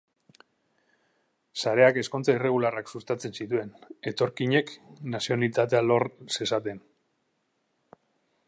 Sareak ezkontza irregularrak sustatzen zituen, etorkinek nazionalitatea lor zezaten.